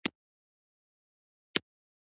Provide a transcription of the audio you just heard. پلار د اولاد سره بېپایانه مینه لري.